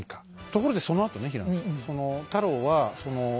ところでそのあとね平野さん。